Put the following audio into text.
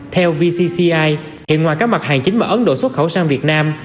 theo vcci hiện ngoài các mặt hàng chính mà ấn độ xuất khẩu sang việt nam